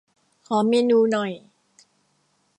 ขอเมนูหน่อย